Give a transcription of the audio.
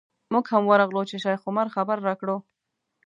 موږ هم ورغلو چې شیخ عمر خبر راکړو.